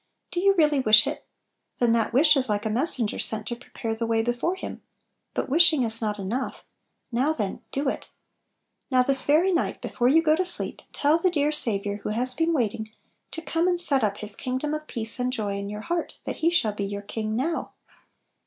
Do you really wish it? Then that wish is like a messenger sent to prepare the way before Him; but wishing is not enough — "Now then do it!" Now, this very night, before you go to sleep, tell the dear Saviour, who has been waiting, to come and set up His kingdom of peace and joy in your heart, that He shall be your King now!